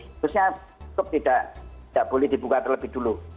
sebenarnya bioskop tidak boleh dibuka terlebih dulu